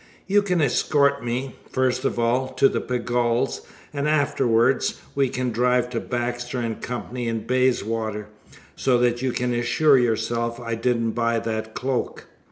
"You can escort me, first of all, to the Pegalls, and afterwards we can drive to Baxter & Co.'s in Bayswater, so that you can assure yourself I didn't buy that cloak."